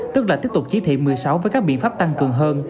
tức là tiếp tục chỉ thị một mươi sáu với các biện pháp tăng cường hơn